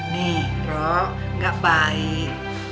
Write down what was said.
nih rob gak baik